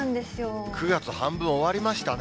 ９月半分、終わりましたね。